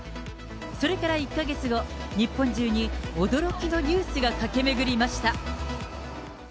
それから１か月後、日本中に驚きのニュースが駆け巡りました。